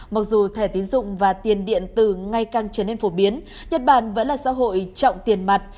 mặc dù thẻ tiến dụng và tiền điện tử ngay càng trở nên phổ biến nhật bản vẫn là xã hội trọng tiền mặt